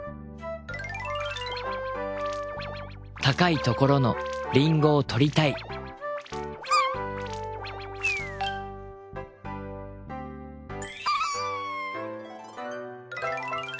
高いところのリンゴをとりたいキュル！